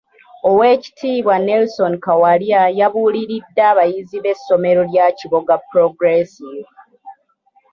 Oweekitiibwa Nelson Kawalya yabuuliridde abayizi b'essomero lya Kiboga Progressive.